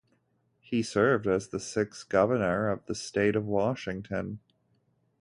He served as the sixth Governor of the state of Washington.